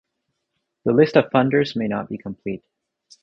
The list of funders may not be complete.